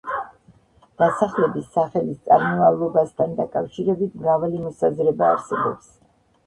დასახლების სახელის წარმომავლობასთან დაკავშირებით მრავალი მოსაზრება არსებობს.